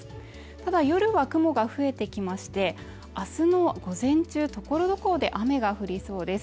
ただ夜は雲が増えてきましてあすの午前中ところどころで雨が降りそうです